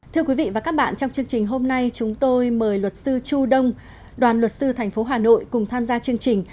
thưa quý vị và các bạn trong chương trình hôm nay chúng tôi mời luật sư chu đông đoàn luật sư thành phố hà nội cùng tham gia chương trình